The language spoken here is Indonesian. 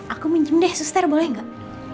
aku minjem deh suster boleh gak